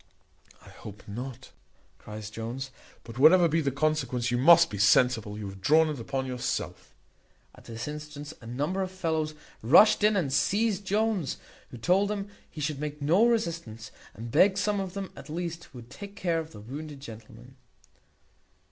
"I hope not," cries Jones, "but whatever be the consequence, you must be sensible you have drawn it upon yourself." At this instant a number of fellows rushed in and seized Jones, who told them he should make no resistance, and begged some of them at least would take care of the wounded gentleman.